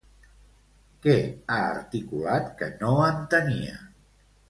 Què ha articulat que no entenia?